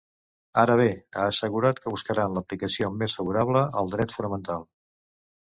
Ara bé, ha assegurat que buscaran “l’aplicació més favorable al dret fonamental”.